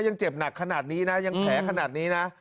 ยังเจ็บหนักขนาดนี้นะยังแผลขนาดนี้นะ